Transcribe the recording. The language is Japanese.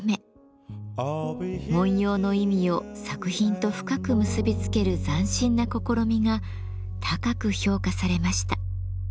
文様の意味を作品と深く結びつける斬新な試みが高く評価されました。